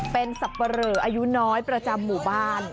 เป็นสับปะเหลออายุน้อยประจำหมู่บ้าน